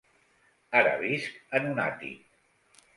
Ara visc en un àtic.